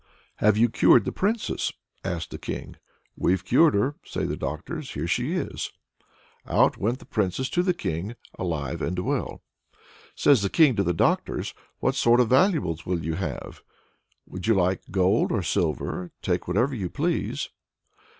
"Have you cured the Princess?" asked the King. "We've cured her," say the doctors. "Here she is!" Out went the Princess to the King, alive and well. Says the King to the doctors: "What sort of valuables will you have? would you like gold or silver? Take whatever you please."